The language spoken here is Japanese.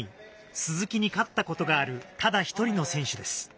鈴木に勝ったことがあるただ１人の選手です。